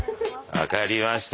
分かりました。